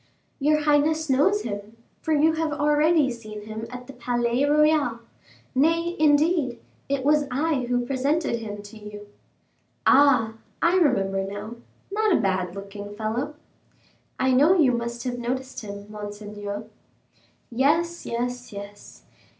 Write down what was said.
"Your highness knows him, for you have already seen him at the Palais Royal; nay, indeed, it was I who presented him to you." "Ah, I remember now not a bad looking fellow." "I know you must have noticed him, monseigneur." "Yes, yes, yes.